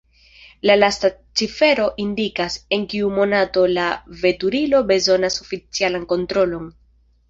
La lasta cifero indikas, en kiu monato la veturilo bezonas oficialan kontrolon.